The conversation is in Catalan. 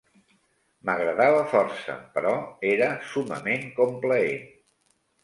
M'agradava força però era summament complaent.